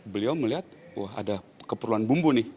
beliau melihat ada keperluan bumbu nih